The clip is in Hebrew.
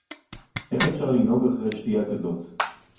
איך אפשר לנהוג אחרי שתייה כזאת